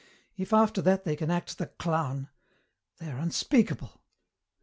If after that they can act the clown they are unspeakable!